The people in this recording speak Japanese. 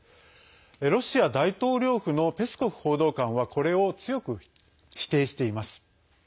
ロシア大統領府のペスコフ報道官はこれを強く否定しています。